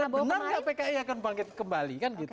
benar nggak pki akan bangkit kembali